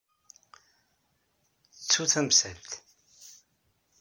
Ttu tamsalt.